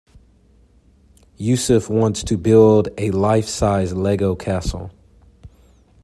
Yusuf wants to build a life-size Lego castle.